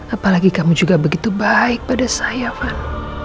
apalagi kamu juga begitu baik pada saya fan